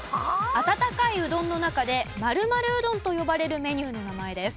温かいうどんの中で○○うどんと呼ばれるメニューの名前です。